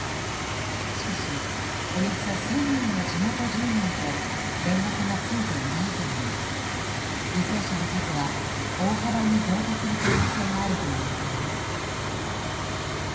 しかしおよそ１０００人の地元住民と連絡がついていないといい犠牲者の数は大幅に増加する可能性があるといわれています。